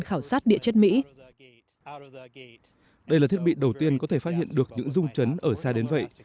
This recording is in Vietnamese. quốc địa chất mỹ đây là thiết bị đầu tiên có thể phát hiện được những dung chấn ở xa đến vậy